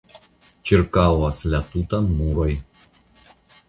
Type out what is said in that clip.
Ĉirkaŭas la tutan muroj.